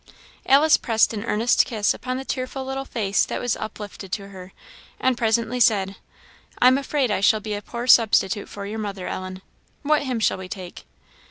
Alice pressed an earnest kiss upon the tearful little face that was uplifted to her, and presently said "I am afraid I shall be a poor substitute for your mother, Ellen. What hymn shall we take?"